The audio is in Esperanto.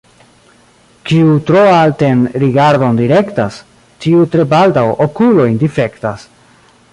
Kiu tro alten rigardon direktas, tiu tre baldaŭ okulojn difektas.